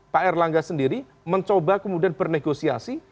pak erlangga sendiri mencoba kemudian bernegosiasi